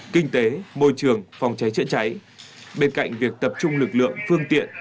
kinh tế môi trường phòng cháy chữa cháy bên cạnh việc tập trung lực lượng phương tiện